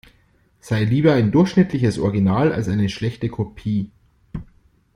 Sei lieber ein durchschnittliches Original als eine schlechte Kopie.